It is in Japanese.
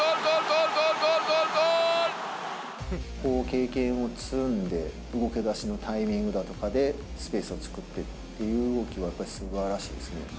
経験を積んで、動きだしのタイミングだとかでスペースを作ってっていう動きが、やっぱすばらしいですね。